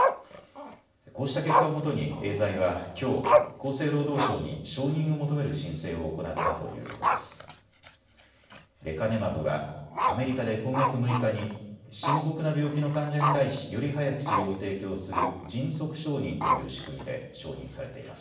こうした結果をもとにエーザイはきょう厚生労働省に承認を求める申請を行ったということです。